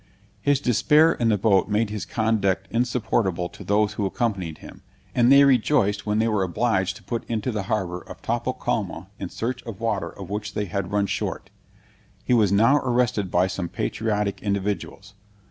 His despair in the boat made his conduct insupportable to those who accompanied him, and they rejoiced when they were obliged to put into the harbor of Topocalma in search of water of which they had run short. He was now arrested by some patriotic individuals.